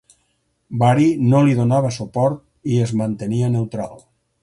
Bari no li donava suport i es mantenia neutral.